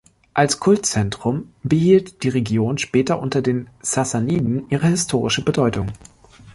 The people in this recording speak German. Als Kultzentrum behielt die Region später unter den Sassaniden ihre historische Bedeutung.